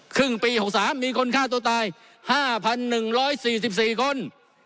ครึ่งปี๖๓มีคนฆ่าตัวตาย๕๑๔๔คน